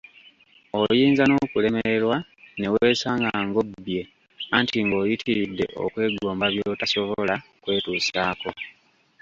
Oyinza n‘okulemererwa ne weesanga ng‘obbye anti ng‘oyitiridde okwegomba by‘otasobola kwetusaako!